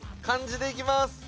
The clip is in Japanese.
漢字でいきます。